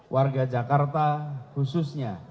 warga jakarta khususnya